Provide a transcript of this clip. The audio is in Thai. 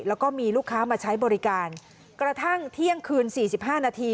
แล้วก็มีลูกค้ามาใช้บริการกระทั่งเที่ยงคืนสี่สิบห้านาที